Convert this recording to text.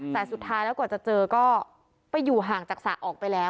แต่สุดท้ายแล้วกว่าจะเจอก็ไปอยู่ห่างจากสระออกไปแล้ว